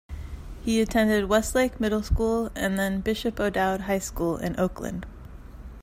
He attended Westlake Middle School and then Bishop O'Dowd High School in Oakland.